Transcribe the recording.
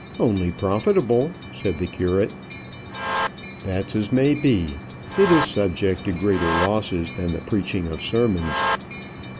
"Only profitable," said the curate. "That's as may be. It is subject to greater losses than the preaching of sermons."